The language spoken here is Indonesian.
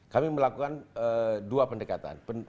kami melakukan dua pendekatan